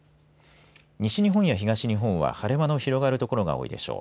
西日本や東日本は晴れ間の広がる所が多いでしょう。